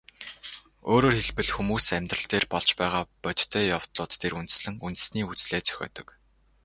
Өөрөөр хэлбэл, хүмүүс амьдрал дээр болж байгаа бодтой явдлууд дээр үндэслэн үндэсний үзлээ зохиодог.